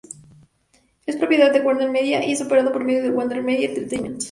Es propiedad de "WarnerMedia" y es operado por medio de WarnerMedia Entertainment.